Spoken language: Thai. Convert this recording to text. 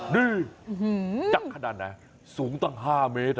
นี่จักรขนาดไหนสูงตั้ง๕เมตร